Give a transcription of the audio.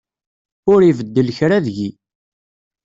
Ur ibeddel kra deg-i.